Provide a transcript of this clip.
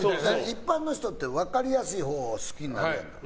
一般の人って分かりやすいほう好きになるじゃない。